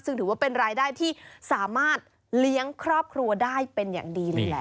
ซึ่งถือว่าเป็นรายได้ที่สามารถเลี้ยงครอบครัวได้เป็นอย่างดีเลยแหละ